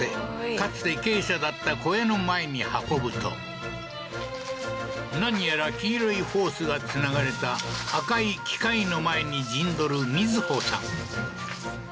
かつて鶏舎だった小屋の前に運ぶと何やら黄色いホースがつながれた赤い機械の前に陣取る瑞穂さん